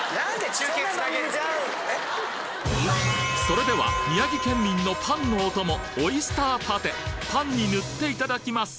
それでは宮城県民のパンのお供オイスターパテパンに塗っていただきます